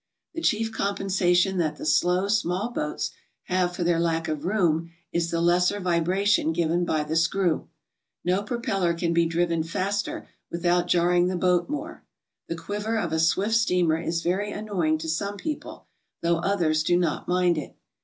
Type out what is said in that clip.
The chief compensation that the slow, small boats have for their lack of room is the lesser vibration given by the screw. No propeller can be driven faster without jarring the boat more. The quiver of a swift steamer is very an noying to some people, though others do not mind it.